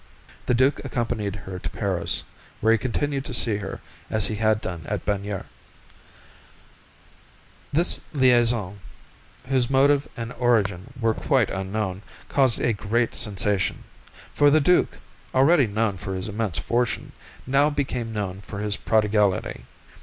The duke accompanied her to Paris, where he continued to see her as he had done at Bagnères. This liaison, whose motive and origin were quite unknown, caused a great sensation, for the duke, already known for his immense fortune, now became known for his prodigality.